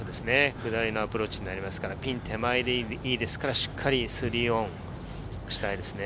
下りのアプローチになりますからピン手前でいいですから、しっかり３オンしたいですね。